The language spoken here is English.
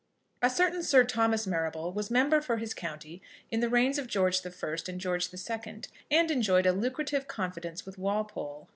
A certain Sir Thomas Marrable was member for his county in the reigns of George I. and George II., and enjoyed a lucrative confidence with Walpole.